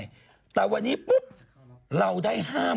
เล่าเล่าเล่าเล่า